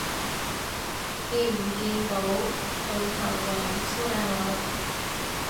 見唔見到佢頭像超靚女